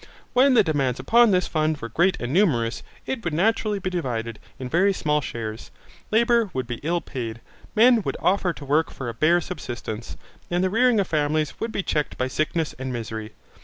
When the demands upon this fund were great and numerous, it would naturally be divided in very small shares. Labour would be ill paid. Men would offer to work for a bare subsistence, and the rearing of families would be checked by sickness and misery.